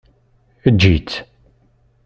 Eǧǧ-itt!